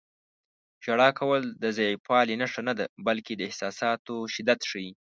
• ژړا کول د ضعیفوالي نښه نه ده، بلکې د احساساتو شدت ښيي.